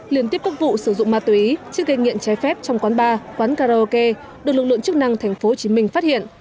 liên tiếp các vụ sử dụng ma túy chiếc gây nghiện trái phép trong quán bar quán karaoke được lực lượng chức năng thành phố hồ chí minh phát hiện